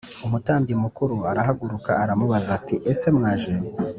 Umutambyi mukuru arahaguruka aramubaza ati ese mwaje